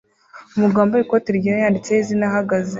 Umugabo wambaye ikoti ryera yanditseho izina ahagaze